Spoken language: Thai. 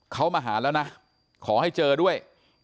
เขามาหาแล้วนะขอให้เจอด้วย